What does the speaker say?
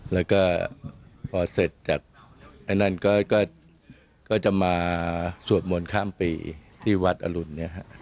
แล้วก็พอเสร็จจากไอ้นั่นก็จะมาสวดมนต์ข้ามปีที่วัดอรุณเนี่ยฮะ